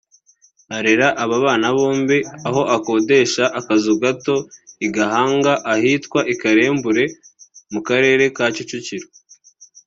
Arera aba bana bombi aho akodesha akazu gato i Gahanga ahitwa Karembure mu karere ka Kicukiro